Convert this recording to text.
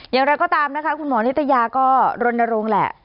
อย่างไรก็ตามนะคะคุณหมอนิตยาก็รณรงค์แหละ